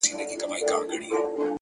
هره لاسته راوړنه ژمنتیا غواړي،